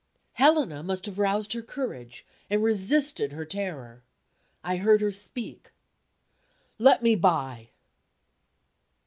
Helena must have roused her courage, and resisted her terror. I heard her speak: "Let me by!"